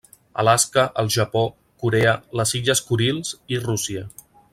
Alaska, el Japó, Corea, les illes Kurils i Rússia.